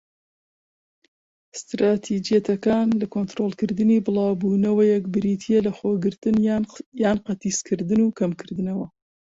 ستراتیجیەتەکان لە کۆنترۆڵکردنی بڵاوبوونەوەیەک بریتیە لە لەخۆگرتن یان قەتیسکردن، و کەمکردنەوە.